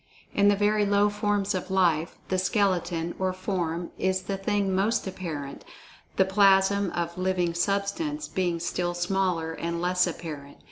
In the very low forms of life, the skeleton, or form, is the thing most apparent, the plasm of "living substance" being still smaller, and less apparent.